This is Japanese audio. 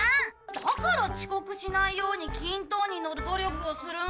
だから遅刻しないようにきんと雲にのる努力をするんだ。